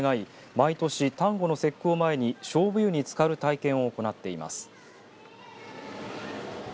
毎年端午の節句を前にしょうぶ湯に漬かる体験を行っています。